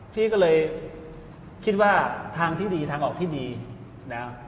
พี่ก็เลยคิดว่าทางที่ดีทางออกที่ดีนะ